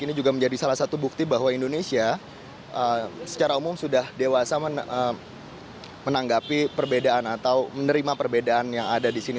ini juga menjadi salah satu bukti bahwa indonesia secara umum sudah dewasa menanggapi perbedaan atau menerima perbedaan yang ada di sini